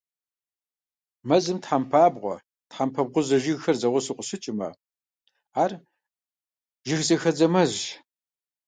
Мэзым тхьэмпабгъуэ, тхьэмпэ бгъузэ жыгхэр зэгъусэу къыщыкӀмэ, ар жыгзэхэдзэ мэзщ.